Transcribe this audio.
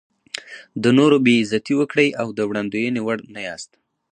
د نورو بې عزتي وکړئ او د وړاندوینې وړ نه یاست.